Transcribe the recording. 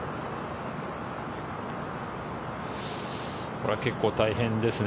これは結構大変ですね。